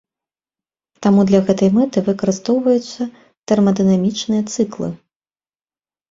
Таму для гэтай мэты выкарыстоўваюцца тэрмадынамічныя цыклы.